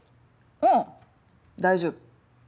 うん大丈夫。